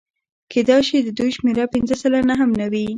کېدای شي د دوی شمېره پنځه سلنه هم نه وي